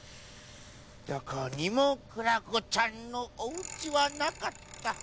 どこにもクラコちゃんのおうちはなかった。